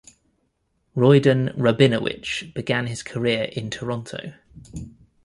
Royden Rabinowitch began his career in Toronto.